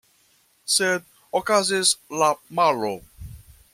Sed okazis la malo.